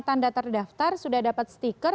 tanda terdaftar sudah dapat stiker